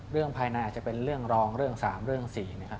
เรื่องภายในอาจจะเป็นเรื่องรองเรื่อง๓เรื่อง๔นะครับ